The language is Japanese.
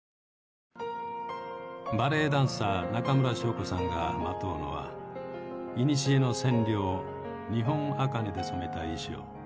バレエダンサー中村祥子さんがまとうのはいにしえの染料日本茜で染めた衣装。